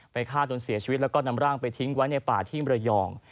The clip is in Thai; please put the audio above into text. ฆ่าจนเสียชีวิตแล้วก็นำร่างไปทิ้งไว้ในป่าที่มรยอง